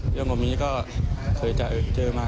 เรื่องแบบนี้ก็เคยเจอมา